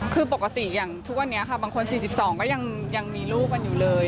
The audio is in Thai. คือปกติอย่างทุกวันนี้ค่ะบางคน๔๒ก็ยังมีลูกกันอยู่เลย